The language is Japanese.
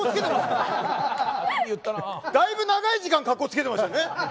だいぶ長い時間格好つけてましたよね。